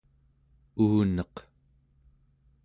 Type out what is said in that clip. uuneq